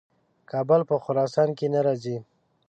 کابل په خراسان کې نه راځي.